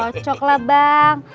cocok lah bang